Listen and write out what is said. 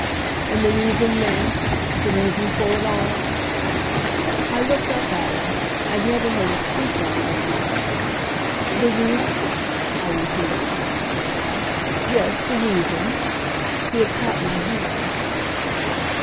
"And the reason, Nance the reason for it all?" I looked up at him. I'd never heard him speak like that. "The reason?" I repeated. "Yes, the reason." He had caught my hand.